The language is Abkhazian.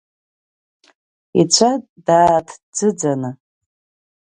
Ицәа дааҭӡыӡаны.